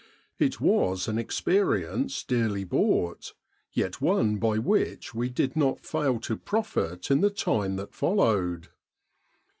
It was an experience dearly bought, yet one by which we did not fail to profit in the time that followed.